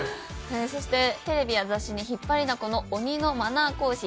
そしてテレビや雑誌に引っ張りだこの鬼のマナー講師